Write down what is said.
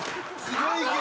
すごい風。